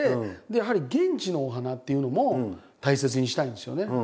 やはり現地のお花っていうのも大切にしたいんですよね。